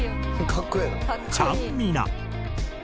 ちゃんみな。